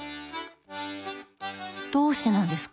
どうしてなんですか？